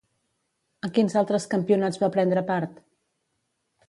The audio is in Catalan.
En quins altres campionats va prendre part?